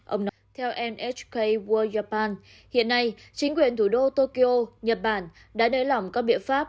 ông nói theo nhk world japan hiện nay chính quyền thủ đô tokyo nhật bản đã nới lỏng các biện pháp